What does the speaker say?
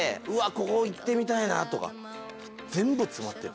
ここ行ってみたいなとか全部詰まってる。